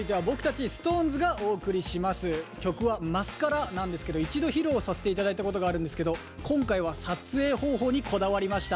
曲は「マスカラ」なんですけど一度披露させて頂いたことがあるんですけど今回は撮影方法にこだわりました。